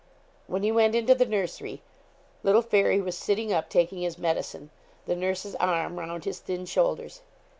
When he went into the nursery little Fairy was sitting up, taking his medicine; the nurse's arm round his thin shoulders.